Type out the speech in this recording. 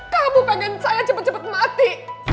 kamu pengen saya cepat cepat mati